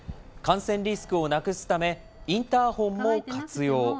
感染リスクをなくすため、インターホンも活用。